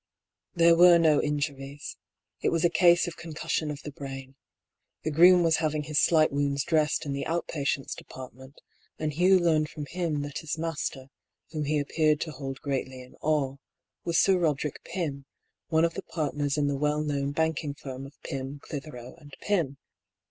There were no injuries. It was a case of concussion of the brain. The groom was having his slight wounds dressed in the out patients' department; and Hugh learned from him that his master, whom he appeared to hold greatly in awe, was Sir Roderick Pym, one of the partners in the well known banking firm of Pym, Clith ero and Pym.